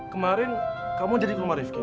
kemarin kamu jadi rumah rifki